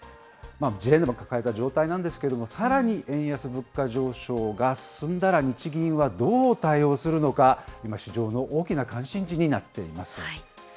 ジレンマを抱えた状態なんですけれども、さらに円安、物価上昇が進んだら日銀はどう対応するのか、今、市場の大きな関心事になっています。